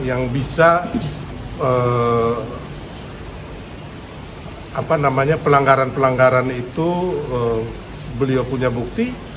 yang bisa pelanggaran pelanggaran itu beliau punya bukti